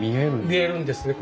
見えるんですね。